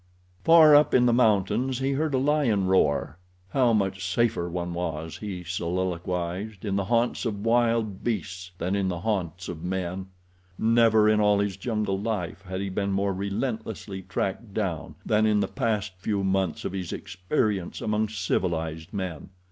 Far up in the mountains he heard a lion roar. How much safer one was, he soliloquized, in the haunts of wild beasts than in the haunts of men. Never in all his jungle life had he been more relentlessly tracked down than in the past few months of his experience among civilized men.